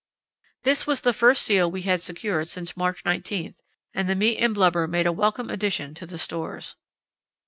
This was the first seal we had secured since March 19, and the meat and blubber made a welcome addition to the stores.